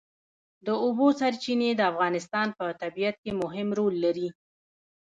د اوبو سرچینې د افغانستان په طبیعت کې مهم رول لري.